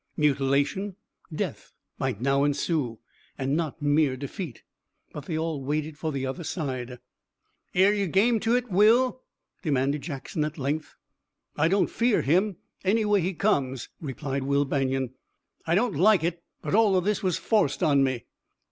Mutilation, death might now ensue, and not mere defeat. But they all waited for the other side. "Air ye game to hit, Will?" demanded Jackson at length. "I don't fear him, anyway he comes," replied Will Banion. "I don't like it, but all of this was forced on me."